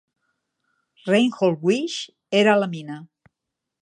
Reinhold Weege era a la mina.